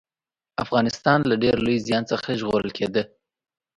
افغانستان له ډېر لوی زيان څخه ژغورل کېده